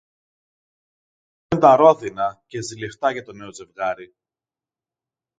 Όλα φαίνουνταν ρόδινα και ζηλευτά για το νέο ζευγάρι.